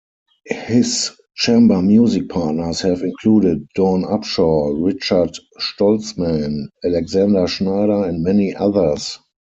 His chamber-music partners have included Dawn Upshaw, Richard Stoltzman, Alexander Schneider, and many others.